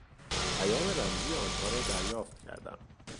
پیام رمزی آنها را دریافت کردم.